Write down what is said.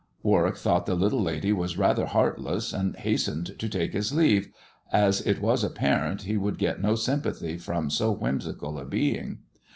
Warwick thought the little lady was rather heartless, and hastened to take his leave, as it was apparent he would get no sympathy from so whimsical a being.